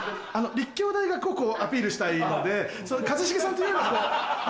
立教大学をアピールしたいので一茂さんというよりも。